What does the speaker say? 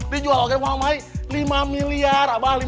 dijual aja mau mahi lima miliar abah